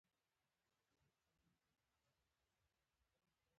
احمد د سرطان له امله ډېر بته شو.